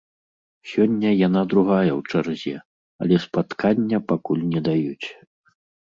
Сёння яна другая ў чарзе, але спаткання пакуль не даюць.